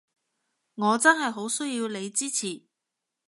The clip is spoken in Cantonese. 我真係好需要你支持